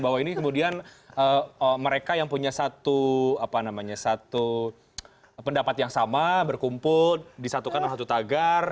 bahwa ini kemudian mereka yang punya satu pendapat yang sama berkumpul disatukan dalam satu tagar